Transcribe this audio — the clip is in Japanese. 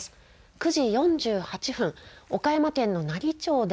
９時４８分、岡山県の奈義町で